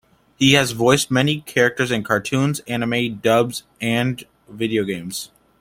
He has voiced many characters in cartoons, anime dubs and video games.